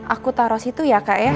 aku taruh situ ya kak ya